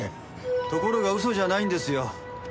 ところが嘘じゃないんですよ。